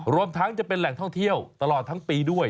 รวมทั้งจะเป็นแหล่งท่องเที่ยวตลอดทั้งปีด้วย